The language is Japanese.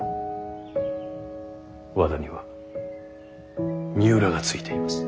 和田には三浦がついています。